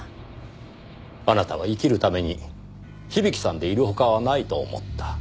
あなたは生きるために響さんでいる他はないと思った。